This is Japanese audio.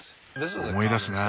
思い出すなぁ